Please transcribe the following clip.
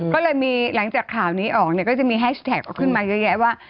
ก็เลยมีหลังจากข่าวนี้ออกเนี่ยก็จะมีแฮชแท็กขึ้นมาเยอะแยะว่า